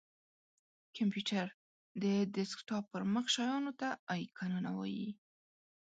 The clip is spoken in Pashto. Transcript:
کمپېوټر:د ډیسکټاپ پر مخ شېانو ته آیکنونه وایې!